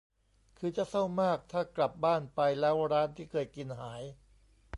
คือจะเศร้ามากถ้ากลับบ้านไป แล้วร้านที่เคยกินหาย